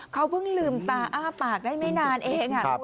เขาเพิ่งลืมตาอ้าปากได้ไม่นานเอง